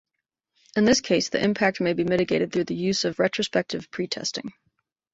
In this case the impact may be mitigated through the use of retrospective pretesting.